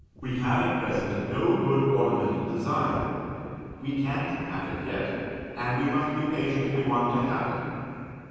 We have at present no good ornamental design. We can't have it yet, and we must be patient if we want to have it.